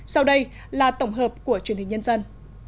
sau đây là tổng hợp của truyền hình nhân dân